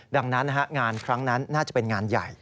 ดังนั้นงานครั้งนั้นน่าจะเป็นงานใหญ่